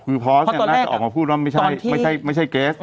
คือพอสน่าจะออกมาพูดว่าไม่ใช่เกส